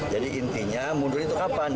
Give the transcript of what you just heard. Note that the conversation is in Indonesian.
jadi intinya mundur itu kapan